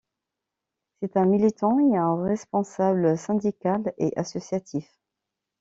C'est un militant et un responsable syndical et associatif.